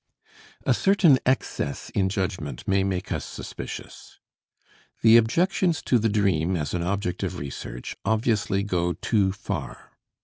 A certain excess in judgment may make us suspicious. The objections to the dream as an object of research obviously go too far.